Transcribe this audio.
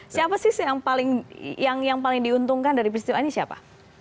siapa sih yang paling diuntungkan dari peristiwa ini siapa